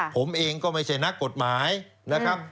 ผมเองก็ไม่ใช่นักกฎหมายนะครับ